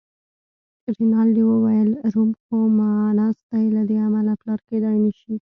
رینالډي وویل: روم خو مونث دی، له دې امله پلار کېدای نه شي.